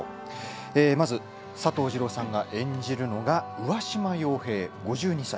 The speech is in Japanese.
佐藤二朗さんが演じるのが上嶋陽平、５２歳。